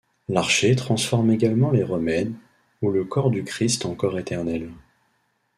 L'archée transforme également les remèdes, ou le corps du Christ en corps éternel.